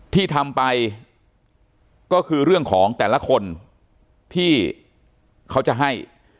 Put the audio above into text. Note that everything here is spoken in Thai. ที่ทำไปก็คือเรื่องของแต่ละคนที่เขาจะให้